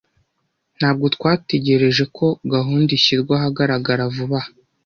Ntabwo twategereje ko gahunda ishyirwa ahagaragara vuba aha.